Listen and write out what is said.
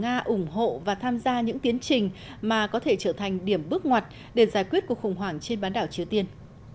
nga ủng hộ và tham gia những tiến trình mà có thể trở thành điểm bước ngoặt để giải quyết cuộc khủng hoảng trên bán đảo triều tiên